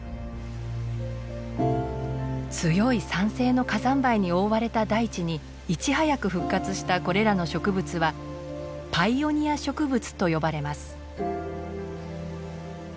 強い酸性の火山灰に覆われた大地にいち早く復活したこれらの植物はパイオニア植物と呼ばれます。